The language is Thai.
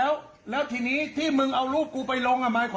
เออค่ะจริงค่ะจัดไปเลยค่ะ